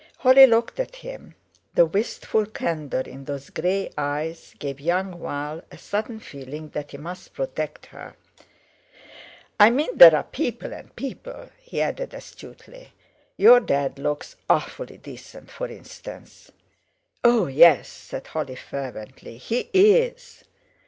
Holly looked at him—the wistful candour in those grey eyes gave young Val a sudden feeling that he must protect her. "I mean there are people and people," he added astutely. "Your dad looks awfully decent, for instance." "Oh yes!" said Holly fervently; "he is."